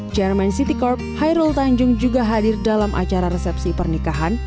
chairman city corp hairul tanjung juga hadir dalam acara resepsi pernikahan